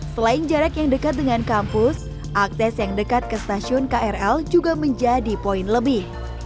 selain jarak yang dekat dengan kampus akses yang dekat ke stasiun krl juga menjadi poin lebih